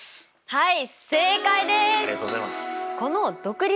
はい。